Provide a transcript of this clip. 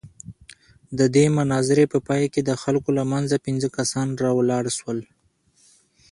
د دې مناظرې په پاى کښې د خلقو له منځه پينځه کسان راولاړ سول.